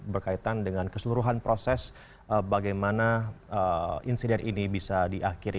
berkaitan dengan keseluruhan proses bagaimana insiden ini bisa diakhiri